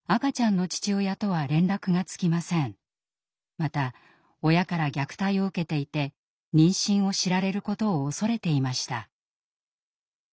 また親から虐待を受けていて妊娠を知られることを恐れていました。